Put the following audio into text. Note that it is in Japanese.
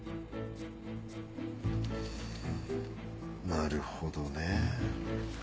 なるほどね。